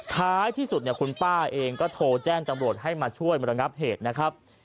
ท้ายที่สุดเนี่ยคุณป้าเองก็โทรแจ้งตำรวจให้มาช่วยมาระงับเหตุนะครับ